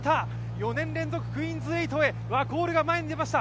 ４年連続クイーンズ８位へワコールが前へ出でました。